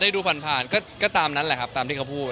ดูผ่านผ่านก็ตามนั้นแหละครับตามที่เขาพูด